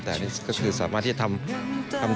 แต่นี่ก็คือสามารถที่จะทำ